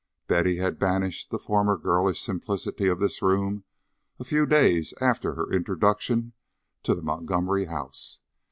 Betty had banished the former girlish simplicity of this room a few days after her introduction to the Montgomery house.